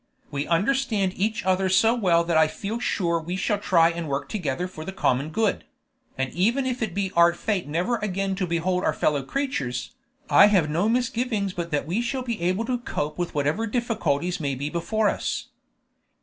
We understand each other so well that I feel sure we shall try and work together for the common good; and even if it be our fate never again to behold our fellow creatures, I have no misgivings but that we shall be able to cope with whatever difficulties may be before us."